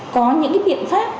có những biện pháp